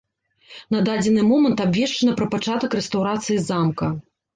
На дадзены момант абвешчана пра пачатак рэстаўрацыі замка.